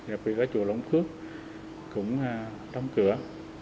đặc biệt là chùa lộng khước cũng đóng cửa